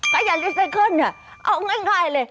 ขยะรีไซเคิลเอาง่ายเลย